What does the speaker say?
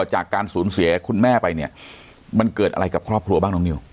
จากการสูญเสียคุณแม่ไปเนี่ยมันเกิดอะไรกับครอบครัวบ้างน้องนิว